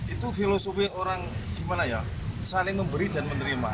itu filosofi orang gimana ya saling memberi dan menerima